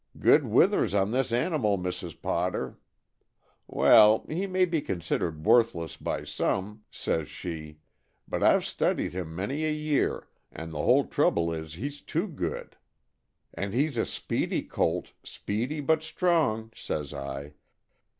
'Good withers on this animal, Mrs. Potter.' 'Well, he may be considered worthless by some,' says she, 'but I've studied him many a year, and the whole trouble is he's too good.' 'And he's a speedy colt, speedy but strong,' says I.